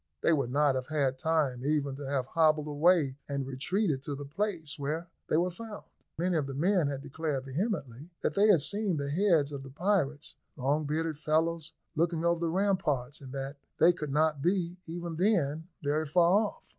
They would not have had time even to have hobbled away and retreated to the place where they were found. Many of the men declared vehemently that they had seen the heads of the pirates, long bearded fellows, looking over the ramparts, and that they could not be, even then, very far off.